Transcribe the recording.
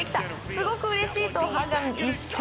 すごくうれしいと。